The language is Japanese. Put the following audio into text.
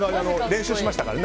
練習しましたから。